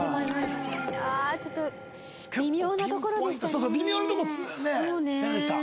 そうそう微妙なとこ攻めてきた。